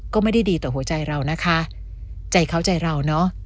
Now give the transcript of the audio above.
ก็ไม่ได้ดีต่อหัวใจเรานะคะใจเขาใจเราเนอะ